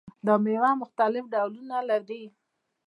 دا میوه مختلف ډولونه لري.